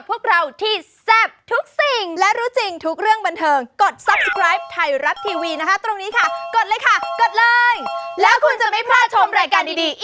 เป็นระยะต่อเนื่องนั่นเองนะคะ